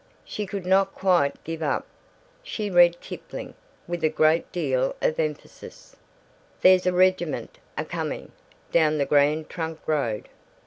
She could not quite give up. She read Kipling, with a great deal of emphasis: There's a REGIMENT a COMING down the GRAND Trunk ROAD.